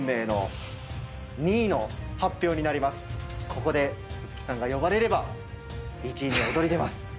ここで戸次さんが呼ばれれば１位に躍り出ます。